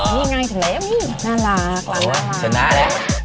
นี่ง่ายจริงน่ารัก